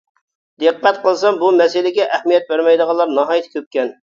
دىققەت قىلسام بۇ مەسىلىگە ئەھمىيەت بەرمەيدىغانلار ناھايىتى كۆپكەن.